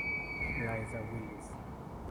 Lisa Willis